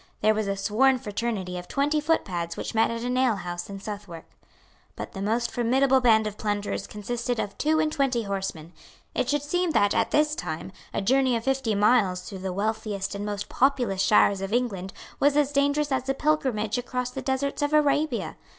There was a sworn fraternity of twenty footpads which met at an alehouse in Southwark. But the most formidable band of plunderers consisted of two and twenty horsemen. It should seem that, at this time, a journey of fifty miles through the wealthiest and most populous shires of England was as dangerous as a pilgrimage across the deserts of Arabia.